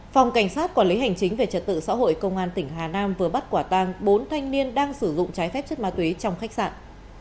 phòng cảnh sát quản lý hành chính về trật tự xã hội công an tỉnh hà nam vừa bắt quả tang bốn thanh niên đang sử dụng trái phép chất ma túy trong khách sạn